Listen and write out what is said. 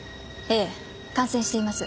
ええ感染しています。